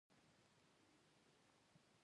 خو د دې کار لپاره هېڅ پوره لاره نهشته